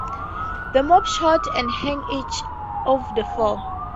The mob shot and hanged each of the four.